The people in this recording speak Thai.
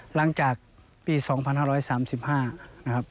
หลังจากปี๒๕๓๕นะครับ